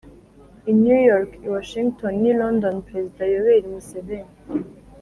i new york, i washington n'i london, perezida yoweri museveni